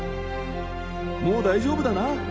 もう大丈夫だな？